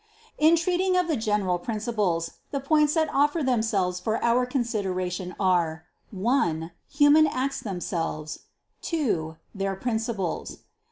In treating of the general principles, the points that offer themselves for our consideration are (1) human acts themselves; (2) their principles.